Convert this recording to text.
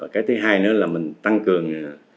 cái thứ hai nữa là mình tăng cường